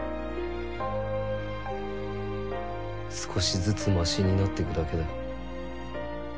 少しずつマシになってくだけだ。